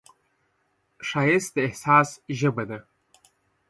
ښایست د احساس ژبه ده